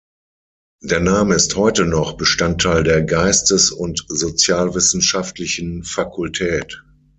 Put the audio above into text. Der Name ist heute noch Bestandteil der geistes- und sozialwissenschaftlichen Fakultät.